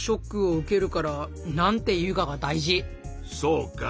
そうか。